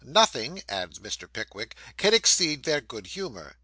Nothing,' adds Mr. Pickwick, 'can exceed their good humour.